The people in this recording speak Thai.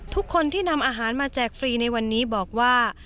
ทุกคนที่นำอาหารมาแจกฟรีในวันนี้บอกว่า